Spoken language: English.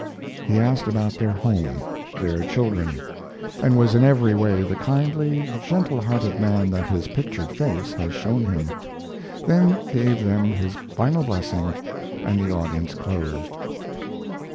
He asked about their home, their children, and was in every way the kindly, gentle hearted man that his pictured face has shown him. Then he gave them his final blessing and the audience closed.